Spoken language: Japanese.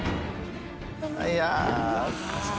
いや。